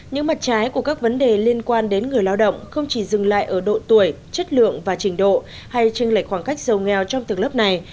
những mặt trái của các vấn đề liên quan đến người lao động không chỉ dừng lại ở độ tuổi chất lượng và trình độ hay tranh lệch khoảng cách giàu nghèo trong tường lớp này